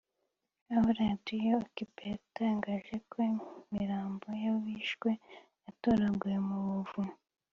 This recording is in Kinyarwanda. aho Radio Okapi yatangaje ko imirambo y’abishwe yatoraguwe mu buvumo